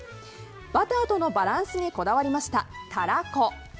バターとのバランスにこだわりました、たらこ。